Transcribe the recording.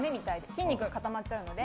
筋肉が固まっちゃうので。